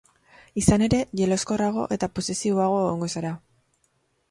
Izan ere, jeloskorrrago eta posesiboago egongo zara.